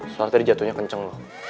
soalnya tadi jatuhnya kenceng loh